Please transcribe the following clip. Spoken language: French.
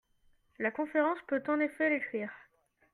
La conférence peut en effet l’écrire.